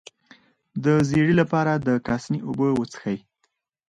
د ژیړي لپاره د کاسني اوبه وڅښئ